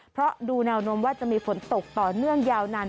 เพราะดูแนวนมว่าจะมีฝนตกต่อเนื่องยาวนาน